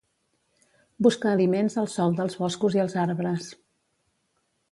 Busca aliments al sòl dels boscos i als arbres.